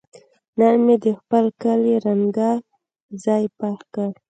نن مې د خپل کالي رنګه ځای پاک کړ.